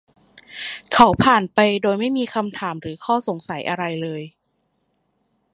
เขาผ่านไปโดยไม่มีคำถามหรืออข้อสงสัยอะไรเลย